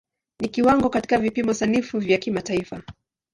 Ni kiwango katika vipimo sanifu vya kimataifa.